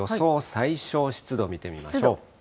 最小湿度見てみましょう。